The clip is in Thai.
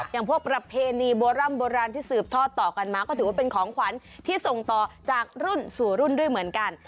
อย่างพวกประเพณีโบร่ำโบราณที่สืบทอดต่อกันมาก็ถือว่าเป็นของขวัญที่ส่งต่อจากรุ่นสู่รุ่นด้วยเหมือนกัน